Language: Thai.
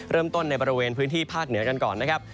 ในบริเวณพื้นที่ภาคเหนือกันก่อนนะครับ